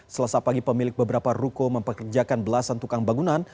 selasa pagi pemilik beberapa ruko mempekerjakan belasan tukang bangunan